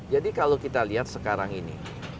jadi kalau kita lihat sekarang ini